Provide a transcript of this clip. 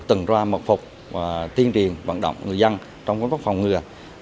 từng ra mặc phục và tiên triền vận động người dân trong các phòng ngừa